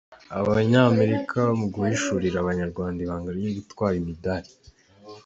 Abanyamerika mu guhishurira Abanyarwanda ibanga ryo gutwara imidari